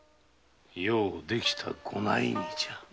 ようできたご内儀じゃ。